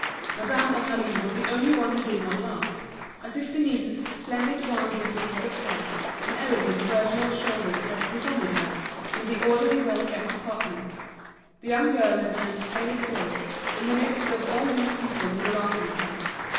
Madame Aurélie was the only one who did not laugh, as if Denise's splendid wild looking head of hair and elegant virginal shoulders had dishonoured her, in the orderly well kept department. The young girl had turned paler still, in the midst of all these people who were laughing at her.